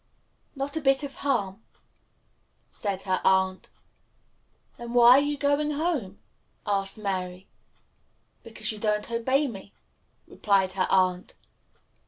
"Not a bit of harm," said her aunt. "Then why are you going home?" asked Mary. "Because you don't obey me," replied her aunt.